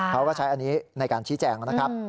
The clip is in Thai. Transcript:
เขาก็ใช้อันนี้ในการชี้แจงนะครับ